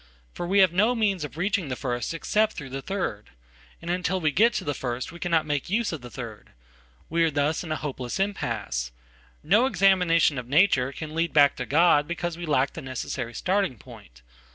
For we, have no means of reaching the first except through the third. And until we get to the first we cannot make use of the third. We are thus in a hopeless impasse. No examination of nature call lead back to God because we lack the necessary starting point.